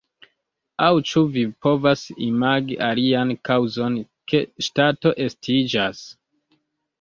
Aŭ ĉu vi povas imagi alian kaŭzon ke ŝtato estiĝas?